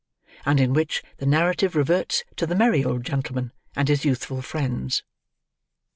AND IN WHICH THE NARRATIVE REVERTS TO THE MERRY OLD GENTLEMAN AND HIS YOUTHFUL FRIENDS.